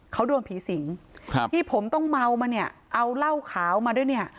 เขาโดนผีสิงครับที่ผมต้องเมามาเนี่ยเอาเหล้าขาวมาด้วยเนี่ย